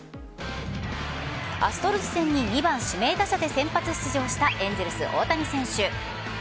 アストロズ戦に２番・指名打者で先発出場したエンゼルス大谷選手。